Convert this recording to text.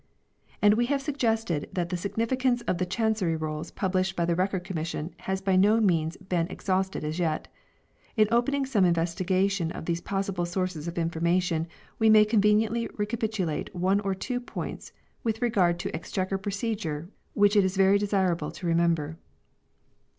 And we have suggested that the significance of the Chan cery Rolls published by the Record Commission has by no means been exhausted as yet. In opening some investigation of these possible sources of information we may conveniently recapitulate one or two points with regard to Exchequer procedure which it is very desirable to remember.